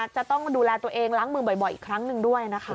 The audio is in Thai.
จะต้องดูแลตัวเองล้างมือบ่อยอีกครั้งหนึ่งด้วยนะคะ